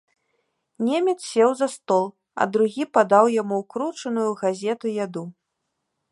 Немец сеў за стол, а другі падаў яму ўкручаную ў газету яду.